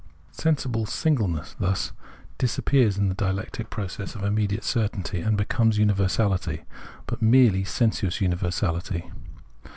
Sensible singleness thus disappears in the dialectic process of immediate certainty, and becomes uni versality, but merely sensuous universality.